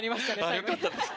よかったです。